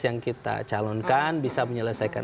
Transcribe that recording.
yang kita calonkan bisa menyelesaikan